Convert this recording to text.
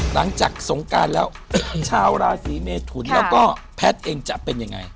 หลังจากสงการแล้วชาวราศีเมทุนแล้วก็แพทย์เองจะเป็นยังไง